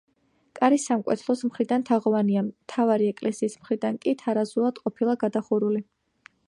კარი სამკვეთლოს მხრიდან თაღოვანია, მთავარი ეკლესიის მხრიდან კი თარაზულად ყოფილა გადახურული.